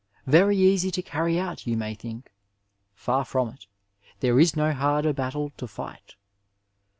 Very easy to carry out, you may think ! Far from it ; there is no harder battle to fight.